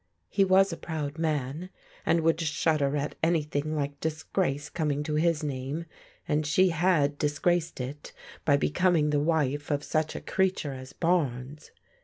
He was a proud man, and would shudder at anything like disgrace coming to his name; and she had disgraced it by becoming the wife of such a creature as Barnes.